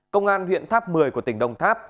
công an huyện tháp một mươi của tỉnh đồng tháp